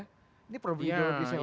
ini ideologi selama